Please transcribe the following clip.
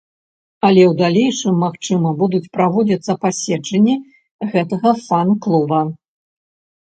Але ў далейшым, магчыма, будуць праводзіцца паседжанні гэтага фан-клуба.